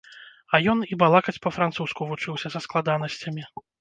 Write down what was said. А ён і балакаць па-французску вучыўся са складанасцямі!